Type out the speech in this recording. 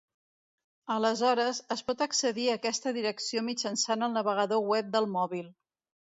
Aleshores, es pot accedir a aquesta direcció mitjançant el navegador web del mòbil.